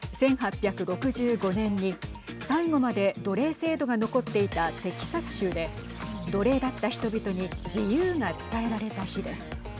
１８６５年に最後まで奴隷制度が残っていたテキサス州で奴隷だった人々に自由が伝えられた日です。